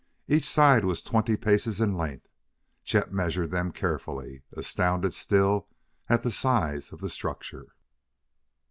Each side was twenty paces in length; Chet measured them carefully, astounded still at the size of the structure.